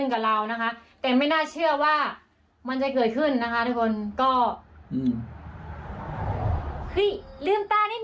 คะแต่ไม่น่าเชื่อว่ามันจะเกิดขึ้นนะคะทุกคนก็ลืมตานิด